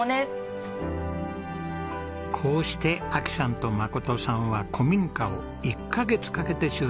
こうして亜紀さんと真さんは古民家を１カ月かけて修繕。